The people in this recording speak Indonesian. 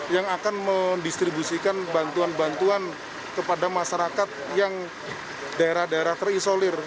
yang akan mendistribusikan bantuan bantuan kepada masyarakat yang daerah daerah terisolir